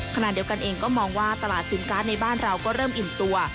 ขณะเดียวกันเองก็มองว่าตลาดสินค้าในบ้านเราก็เริ่มอิ่มตัว